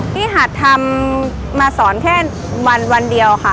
หัดทำมาสอนแค่วันเดียวค่ะ